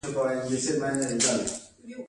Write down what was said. ښایست له درون ښکاري